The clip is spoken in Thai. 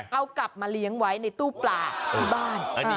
เอากลับมาเลี้ยงไว้ในตู้ปลาที่บ้าน